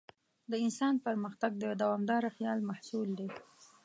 د انسان پرمختګ د دوامداره خیال محصول دی.